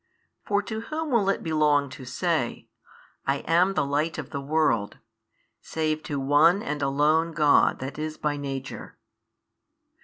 For to whom will it belong to say, I am the light of the world, save to One and Alone God That is by Nature?